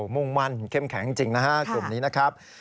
มุ่งมั่นเค็มแข็งจริงนะครับ